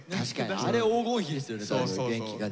あれ黄金比ですよね元気が出る。